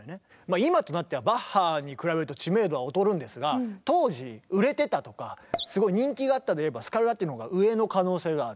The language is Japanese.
今となってはバッハに比べると知名度は劣るんですが当時売れてたとかすごい人気があったといえばスカルラッティのほうが上の可能性がある。